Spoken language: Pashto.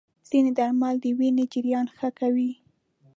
ځینې درمل د وینې جریان ښه کوي.